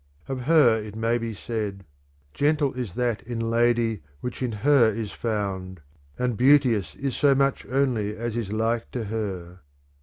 Of her it may be said : Gentle is that hi lady which in her is found ; and beauteous is so much only as is like to ^r^^